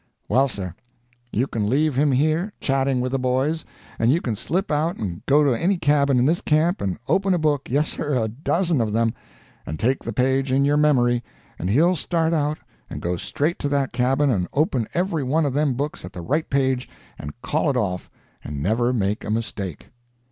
"Well, sir, you can leave him here, chatting with the boys, and you can slip out and go to any cabin in this camp and open a book yes, sir, a dozen of them and take the page in your memory, and he'll start out and go straight to that cabin and open every one of them books at the right page, and call it off, and never make a mistake."